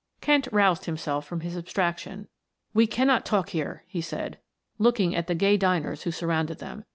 Kent roused himself from his abstraction. "We cannot talk here," he said, looking at the gay diners who surrounded them.